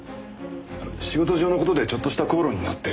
仕事上の事でちょっとした口論になって。